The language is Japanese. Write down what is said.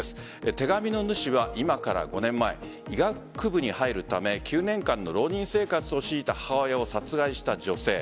手紙の主は今から５年前医学部に入るため９年間の浪人生活を強いた母親を殺害した女性。